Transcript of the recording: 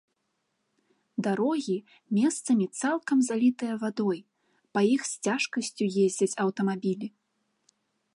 Дарогі месцамі цалкам залітыя вадой, па іх з цяжкасцю ездзяць аўтамабілі.